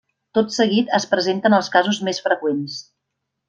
Tot seguit es presenten els casos més freqüents.